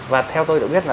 và theo tôi đã biết là